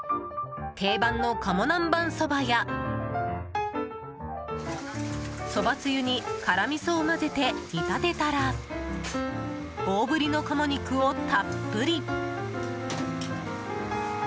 定番の鴨南ばんそばやそばつゆに、辛みそを混ぜて煮立てたら大ぶりの鴨肉をたっぷり。